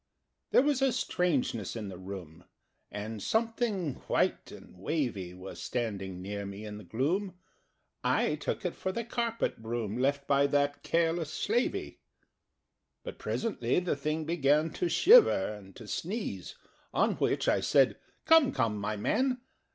There was a strangeness in the room, And Something white and wavy Was standing near me in the gloom I took it for the carpet broom Left by that careless slavey. But presently the Thing began To shiver and to sneeze: On which I said "Come, come, my man!